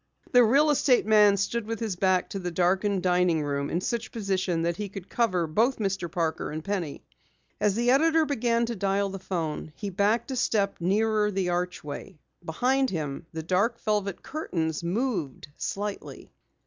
The real estate man stood with his back to the darkened dining room, in such position that he could cover both Mr. Parker and Penny. As the editor began to dial the phone, he backed a step nearer the archway. Behind him, the dark velvet curtains moved slightly.